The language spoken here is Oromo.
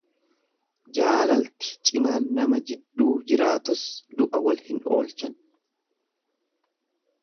Jaalalti cimaan nama jidduu jiraatus du'a wal hin oolchan.